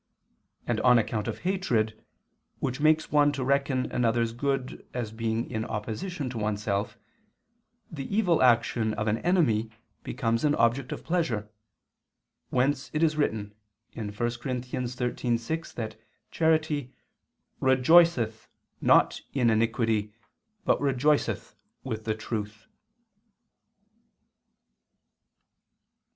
And on account of hatred, which makes one to reckon another's good as being in opposition to oneself, the evil action of an enemy becomes an object of pleasure: whence it is written (1 Cor. 13:6) that charity "rejoiceth not in iniquity, but rejoiceth with the truth."